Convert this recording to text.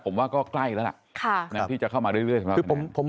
ผมว่าก็ใกล้แล้วล่ะที่จะเข้ามาเรื่อยสำหรับคะแนน